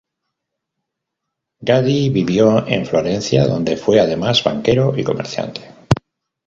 Gaddi vivió en Florencia donde fue además banquero y comerciante.